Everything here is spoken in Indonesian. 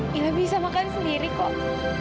mila bisa makan sendiri kak